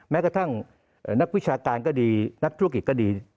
แม้กระทั่งนักวิชาการก็ดีนักธุรกิจก็ดี